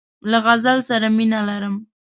له غزل سره مینه لرم.